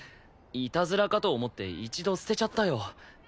イタズラかと思って一度捨てちゃったよ。